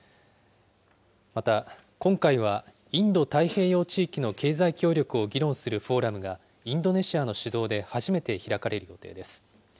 また、今回は、インド太平洋地域の経済協力を議論するフォーラムがインドネシアの主導で初めて開かれる予定です。